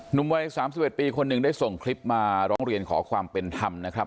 หนุ่มวัย๓๑ปีคนหนึ่งได้ส่งคลิปมาร้องเรียนขอความเป็นธรรมนะครับ